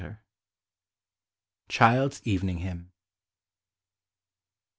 CHILD'S EVENING IIYMN.